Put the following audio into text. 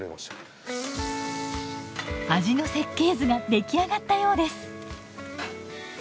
味の設計図が出来上がったようです。